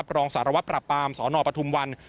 รองสารวัตรปรับปรามสนปทุมวัน